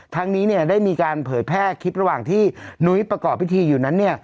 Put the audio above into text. ทั้งนี้ได้มีการเผยแพร่คลิประหว่างที่นุ้ยประกอบพิธีอยู่นั้น